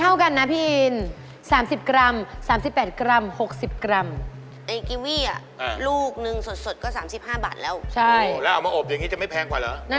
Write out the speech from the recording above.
อาจมาอบอย่างนี้จะไม่แพงกว่าเหรอ